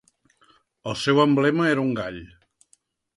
El seu emblema era un gall.